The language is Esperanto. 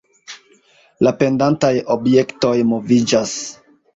La pendantaj objektoj moviĝas.